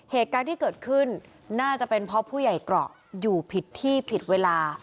เหตุการณ์ที่เกิดขึ้นน่าจะเป็นเพราะผู้ใหญ่เกราะอยู่ผิดที่ผิดเวลา